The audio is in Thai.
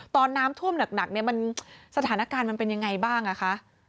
ตอนน้ำท่วมหนักเนี่ยมันสถานการณ์มันเป็นยังไงบ้างอ่ะคะ